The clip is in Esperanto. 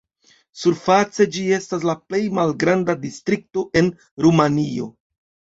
Surface ĝi estas la plej malgranda distrikto en Rumanio.